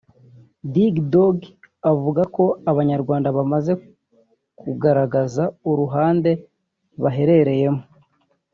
Dig Dog avuga ko Abanyarwanda bamaze kugaragaza uruhande baherereyemo